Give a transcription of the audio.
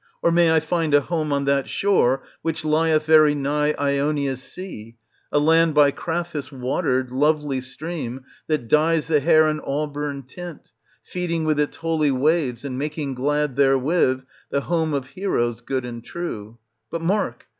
Or may I find a home on that shore which lieth very nigh Ionia's sea, a land by Crathis watered, lovely stream, that dyes the hair an auburn tint, feeding with its holy waves and making glad therewith the home of heroes good and true. But mark